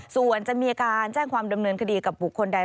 ส่วนจะมีการแจ้งความดำเนินคดีกับบุคคลใด